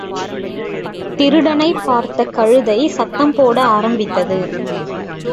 திருடனைப் பார்த்த கழுதை சத்தம் போட ஆரம்பித்தது.